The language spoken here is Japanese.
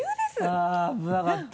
あぁ危なかった。